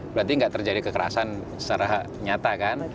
berarti nggak terjadi kekerasan secara nyata kan